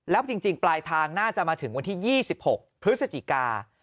แล้วจริงปลายทางน่าจะมาถึงวันที่๒๖พฤศจิกา